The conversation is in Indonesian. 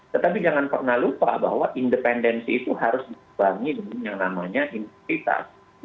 tetapi jangan pernah lupa bahwa independensi itu harus dikurangi dengan yang namanya integritas